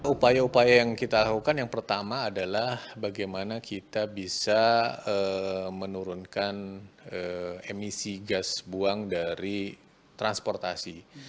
upaya upaya yang kita lakukan yang pertama adalah bagaimana kita bisa menurunkan emisi gas buang dari transportasi